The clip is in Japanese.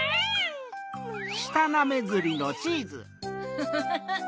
フフフフフ。